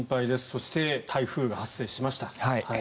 そして台風が発生しました。